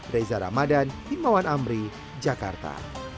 reza ramadan himawan amri jakarta